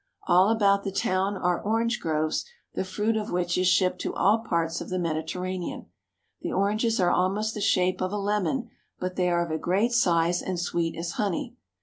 All about the town are orange groves the fruit of which is shipped to all parts of the Mediterranean. The oranges are almost the shape of a lemon, but they are of a great size and sweet as honey.